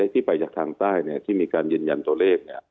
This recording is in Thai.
ที่ไปจากทางใต้ที่มีการยืนยันตัวเลข